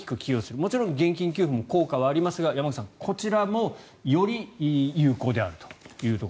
もちろん現金給付の効果はありますが山口さんこちらもより有効であると。